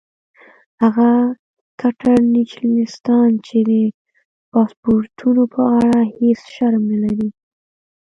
هغه کټر نیشنلستان چې د پاسپورټونو په اړه هیڅ شرم نه لري.